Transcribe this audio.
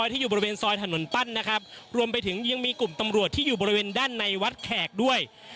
ที่อยู่บริเวณซอยถนนปั้นนะครับรวมไปถึงยังมีกลุ่มตำรวจที่อยู่บริเวณด้านในวัดแขกด้วย